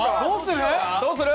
どうする？